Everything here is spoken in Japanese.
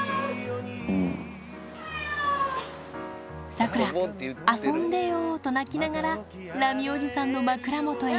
サクラ、遊んでよーと鳴きながら、ラミおじさんの枕元へ。